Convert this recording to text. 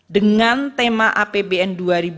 dengan tema apbn dua ribu dua puluh